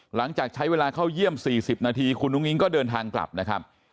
หลังจากใช้เวลาเข้าเยี่ยม๔๐นาทีคุณอุ้งอิงก็เดินทางกลับนะครับ